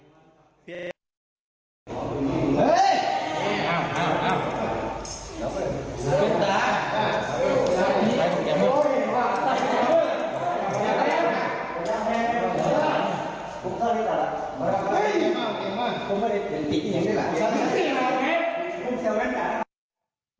โอ้โหตำรวจเห็นท่าไม่ดีกลัวเดี๋ยวจะคลั่งขึ้นมาใส่กุญแจมือเลย